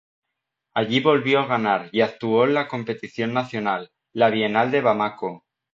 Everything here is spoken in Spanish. Allí volvió a ganar y actuó en la competición nacional, la Bienal de Bamako.